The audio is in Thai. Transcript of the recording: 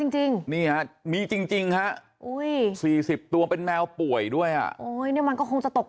จริงมีจริงฮะ๔๐ตัวเป็นแมวป่วยด้วยอ่ะมันก็คงจะตก